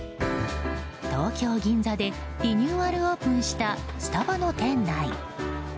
東京・銀座でリニューアルオープンしたスタバの店内。